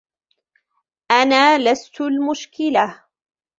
أنا لست المشكلة.